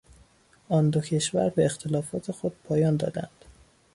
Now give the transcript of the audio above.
آن دو کشور به اختلافات خود پایان دادند.